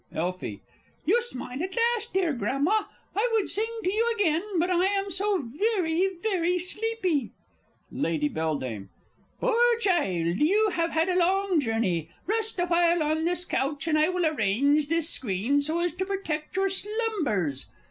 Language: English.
_ Elfie. You smile at last, dear Grandma! I would sing to you again, but I am so very, very sleepy! Lady B. Poor child, you have had a long journey. Rest awhile on this couch, and I will arrange this screen so as to protect your slumbers.